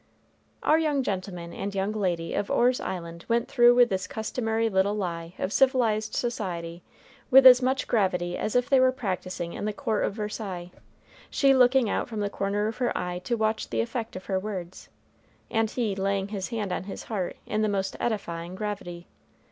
Our young gentleman and young lady of Orr's Island went through with this customary little lie of civilized society with as much gravity as if they were practicing in the court of Versailles, she looking out from the corner of her eye to watch the effect of her words, and he laying his hand on his heart in the most edifying gravity.